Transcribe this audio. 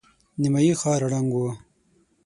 نيمايي ښار ړنګ و.